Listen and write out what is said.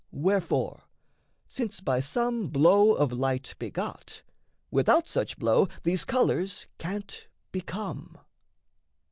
Wherefore, since by some blow of light begot, Without such blow these colours can't become.